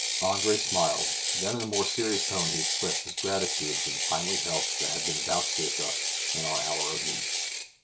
Andre smiled; then, in a more serious tone, he expressed his gratitude for the timely help that had been vouchsafed us in our hour of need.